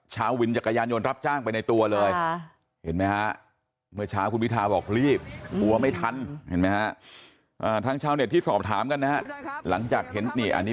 นายกตั้งสอนะวันที่๑๔พฤษภาคม